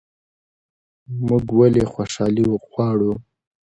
موږ ولې خوشحالي غواړو؟